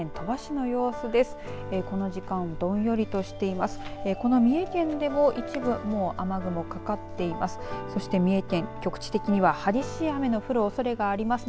この三重県でも一部雨雲かかっています。